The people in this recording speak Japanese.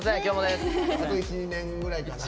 あと１２年くらいかな。